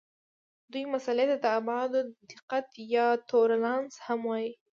دې مسئلې ته د ابعادو دقت یا تولرانس هم وایي.